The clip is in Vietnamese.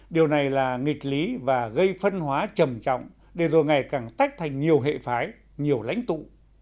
điều này là nghịch lý và gây phân hóa trầm trọng để rồi ngày càng tách thành nhiều hệ phái nhiều lãnh tụ